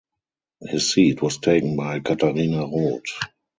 His seat was taken by Katharina Roth.